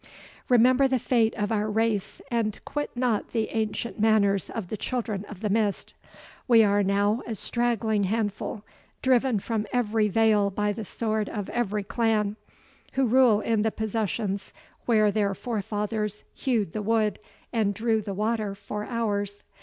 Remember the fate of our race, and quit not the ancient manners of the Children of the Mist. We are now a straggling handful, driven from every vale by the sword of every clan, who rule in the possessions where their forefathers hewed the wood, and drew the water for ours.